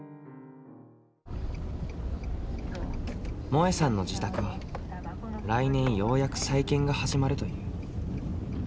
もえさんの自宅は来年ようやく再建が始まるという。